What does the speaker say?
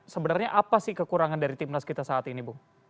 sebenarnya apa sih kekurangan dari timnas kita saat ini bu